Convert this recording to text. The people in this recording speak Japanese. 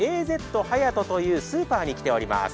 ＡＺはやとというスーパーに来ております。